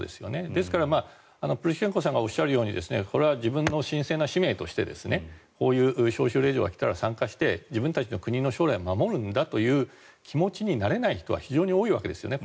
ですから、プルシェンコさんがおっしゃるようにこれは自分の神聖な使命として招集令状が来たら参加して自分たちの国の将来を守るんだという気持ちになれない人は非常に多いわけですよね。